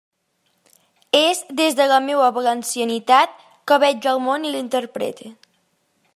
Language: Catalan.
És des de la meua valencianitat que veig el món i l'interprete.